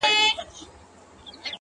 • په زرګونو به تر تېغ لاندي قتلیږي -